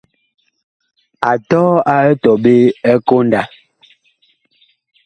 A tɔɔ a etɔɓe ɛ konda.